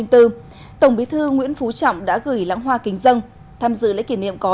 ngày một năm một nghìn chín trăm linh bốn tổng bí thư nguyễn phú trọng đã gửi lãng hoa kinh dân tham dự lễ kỷ niệm có